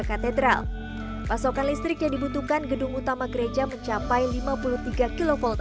katedral pasokan listrik yang dibutuhkan gedung utama gereja mencapai lima puluh tiga kv